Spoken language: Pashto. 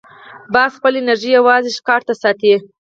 باز خپله انرژي یوازې ښکار ته ساتي